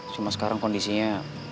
cuma sekarang kondisinya